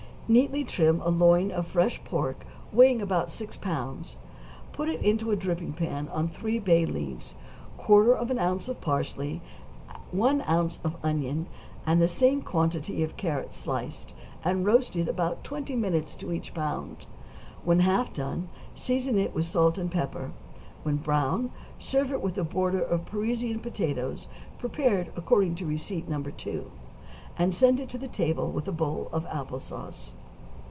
= Neatly trim a loin of fresh pork weighing about six pounds; put it into a dripping pan on three bay leaves, quarter of an ounce of parsley, one ounce of onion, and the same quantity of carrot sliced, and roast it about twenty minutes to each pound; when half done, season it with salt and pepper; when brown, serve it with a border of Parisian potatoes, prepared according to receipt No. 2, and send it to the table with a bowl of apple sauce.